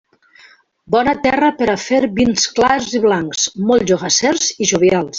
Bona terra per a fer vins clars i blancs, molt jogassers i jovials.